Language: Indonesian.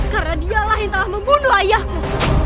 karena dialah yang telah membunuh ayahmu